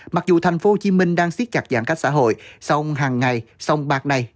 mặc dù tp hcm đang siết chặt giãn cách xã hội song hàng ngày sông bạc này